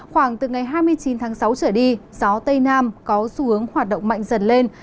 khoảng từ ngày hai mươi chín tháng sáu trở đi gió tây nam có xu hướng hoạt động mạnh dần lên